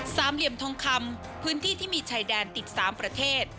เหลี่ยมทองคำพื้นที่ที่มีชายแดนติดสามประเทศ